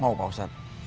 mau pak ustadz